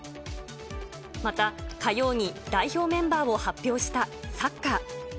また火曜に代表メンバーを発表したサッカー。